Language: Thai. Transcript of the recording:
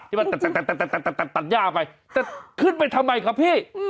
แต่ขึ้นไปทำไมคะพี่